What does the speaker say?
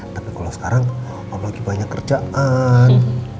tapi kalo sekarang om lagi banyak kerjaan